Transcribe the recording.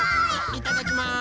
いただきます！